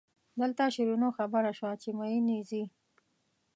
دلته شیرینو خبره شوه چې مئین یې ځي.